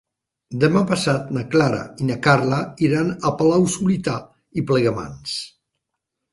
Demà passat na Clara i na Carla iran a Palau-solità i Plegamans.